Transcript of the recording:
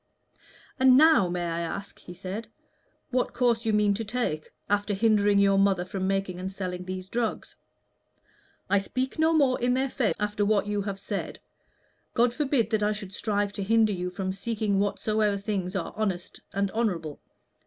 "And now, may I ask," he said, "what course you mean to take, after hindering your mother from making and selling these drugs? I speak no more in their favor after what you have said. God forbid that I should strive to hinder you from seeking whatsoever things are honest and honorable.